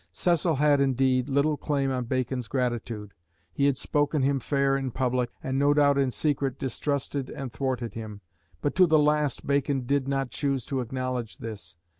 Cecil had, indeed, little claim on Bacon's gratitude; he had spoken him fair in public, and no doubt in secret distrusted and thwarted him. But to the last Bacon did not choose to acknowledge this.